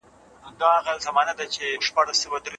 استبداد د ټولنې د پرمختګ مخه نیسي.